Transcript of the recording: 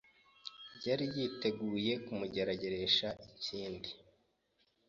yari yiteguye kumugerageresha ikindi.